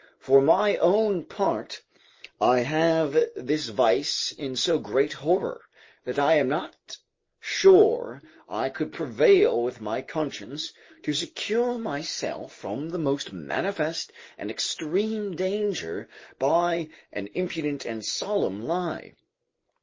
For my own part, I have this vice in so great horror, that I am not sure I could prevail with my conscience to secure myself from the most manifest and extreme danger by an impudent and solemn lie.